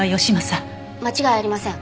間違いありません。